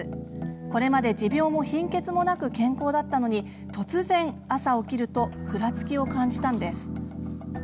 これまで持病も貧血もなく健康だったのに突然朝起きるとふらつきを感じたんです。